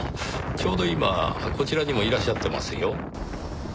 ちょうど今こちらにもいらっしゃってますよ。